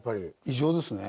異常ですね。